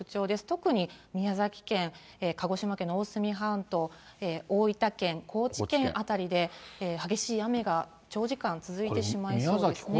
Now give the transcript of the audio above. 特に宮崎県、鹿児島県の大隅半島、大分県、高知県辺りで、激しい雨が長時間続いてしまいそうですね。